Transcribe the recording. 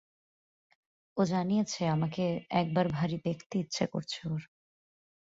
ও জানিয়েছে আমাকে একবার ভারি দেখতে ইচ্ছে করছে ওর।